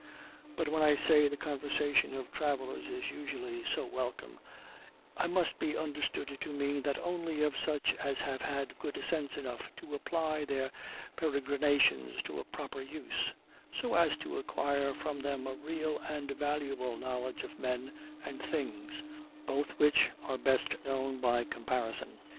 But when I say the conversation of travelers is usually so welcome, I must be understood to mean that only of such as have had good sense enough to apply their peregrinations to a proper use, so as to acquire from them a real and valuable knowledge of men and things, both which are best known by comparison.